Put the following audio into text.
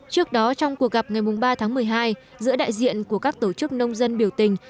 trước đó trong cuộc gặp ngày ba tháng một mươi hai giữa đại diện của các tổ chức nông dân biểu tình